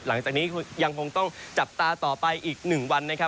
หลังจากนี้ยังคงต้องจับตาต่อไปอีก๑วันนะครับ